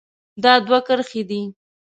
دا دوه کرښې دي.